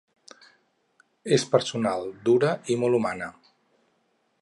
És personal, dura i molt humana.